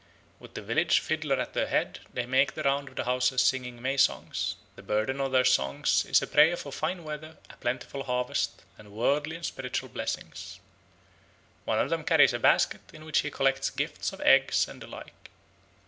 With the village fiddler at their head, they make the round of the houses singing May songs; the burden of their songs is a prayer for fine weather, a plentiful harvest, and worldly and spiritual blessings. One of them carries a basket in which he collects gifts of eggs and the like.